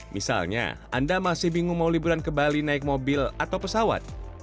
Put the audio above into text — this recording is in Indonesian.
misalnya anda masih bingung mau liburan ke bali naik mobil atau pesawat